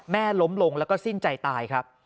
ล้มลงแล้วก็สิ้นใจตายครับ